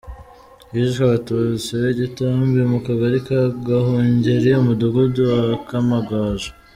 Hishwe Abatutsi b’i Gitambi mu Kagali ka Gahungeri Umudugudu wa Kamagaju.